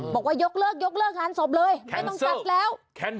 บอกว่ายกเลิกยกเลิกงานศพเลยไม่ต้องจัดแล้ว